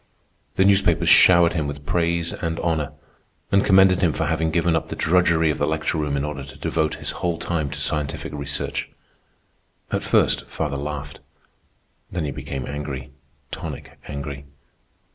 The newspapers showered him with praise and honor, and commended him for having given up the drudgery of the lecture room in order to devote his whole time to scientific research. At first father laughed. Then he became angry—tonic angry.